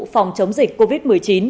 phòng chống dịch covid một mươi chín